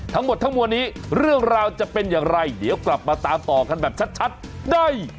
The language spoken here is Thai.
ทั้งหมดทั้งมวลนี้เรื่องราวจะเป็นอย่างไรเดี๋ยวกลับมาตามต่อกันแบบชัดได้